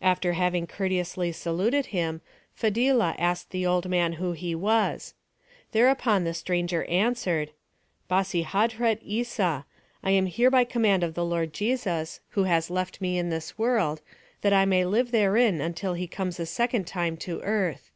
After having courteously saluted him, Fadhilah asked the old man who he was. Thereupon the stranger answered, "Bassi Hadhret Issa, I am here by command of the Lord Jesus, who has left me in this world, that I may live therein until he comes a second time to earth.